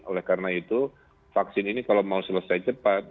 oleh karena itu vaksin ini kalau mau selesai cepat